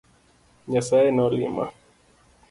Nyasaye nolima.